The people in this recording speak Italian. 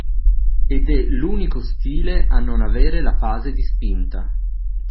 Ed è l’unico stile a non avere la fase di spinta